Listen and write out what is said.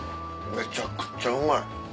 めちゃくちゃうまい。